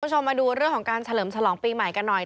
คุณผู้ชมมาดูเรื่องของการเฉลิมฉลองปีใหม่กันหน่อย